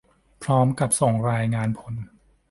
พร้อมกับส่งรายงานผล